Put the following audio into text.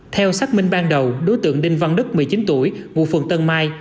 theo xác minh ban đầu đối tượng đinh văn đức một mươi chín tuổi ngụ phường tân mai